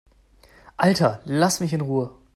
Alter, lass mich in Ruhe!